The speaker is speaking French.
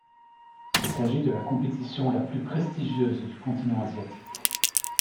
Il s'agit de la compétition la plus prestigieuse du continent asiatique.